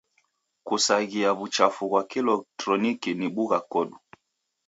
Kusaghisa w'uchafu ghwa kieletroniki ni bugha kodu.